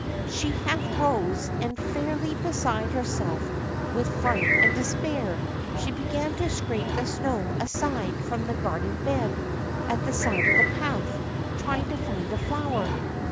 She half rose, and, fairly beside herself with fright and despair, she began to scrape the snow aside from the garden bed at the side of the path, trying to find a flower.